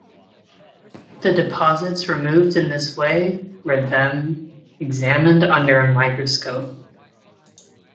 The deposits removed in this way were them examined under a microscope.